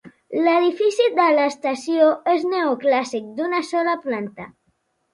L'edifici de l'estació és neoclàssic d'una sola planta.